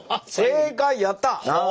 正解やった！